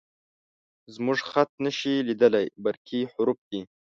_زموږ خط نه شې لېدلی، برقي حروف دي